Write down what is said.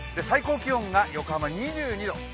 最高気温が横浜、２２度。